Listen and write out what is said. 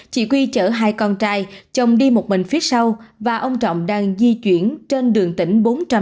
chị quy chở hai con trai chồng đi một mình phía sau và ông trọng đang di chuyển trên đường tỉnh bốn trăm năm mươi